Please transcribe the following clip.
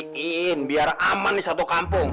bikin biar aman di satu kampung